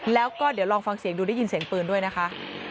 แล้วก็เดี๋ยวลองฟังเสียงดูได้ยินเสียงปืนด้วยนะคะ